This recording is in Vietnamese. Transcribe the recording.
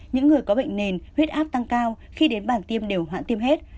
những người có bệnh nền huyết áp tăng cao khi đến bản tiêm đều hoãn tiêm hết